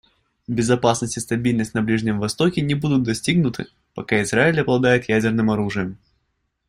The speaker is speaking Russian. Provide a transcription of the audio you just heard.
Безопасность и стабильность на Ближнем Востоке не будут достигнуты, пока Израиль обладает ядерным оружием.